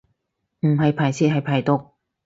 唔係排泄係排毒